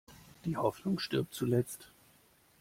Die Hoffnung stirbt zuletzt.